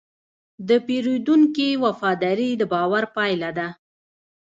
د پیرودونکي وفاداري د باور پايله ده.